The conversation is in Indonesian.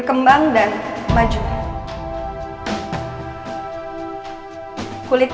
semoga ini bisa membawa pencapaian